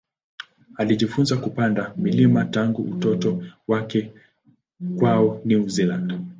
Alijifunza kupanda milima tangu utoto wake kwao New Zealand.